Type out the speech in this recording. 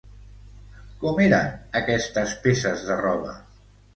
Com eren aquestes peces de roba?